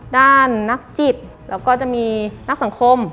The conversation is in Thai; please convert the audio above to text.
นักจิตแล้วก็จะมีนักสังคม